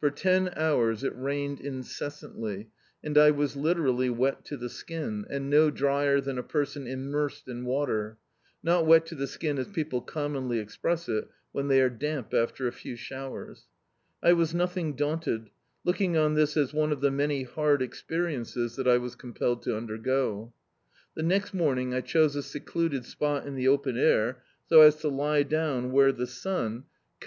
For ten hours it rained incessantly, and I was literally wet to the skin, and no drier than a person immersed in water — not wet to the skin as people commonly express it when they are damp after a few showers. I was nothing daunted, looking on this as one of the many hard experiences diat I was ctxnpelled to imdergo. The next morning I chose a secluded spot in the open air, so as to lie down where the sun, coming D,i.